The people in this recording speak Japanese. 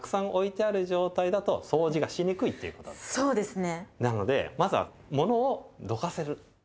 そうですね。